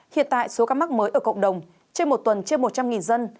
hiện tại số ca mắc mới ở cộng đồng trên một tuần trên một trăm linh dân